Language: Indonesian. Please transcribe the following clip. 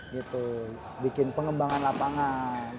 gitu bikin pengembangan lapangan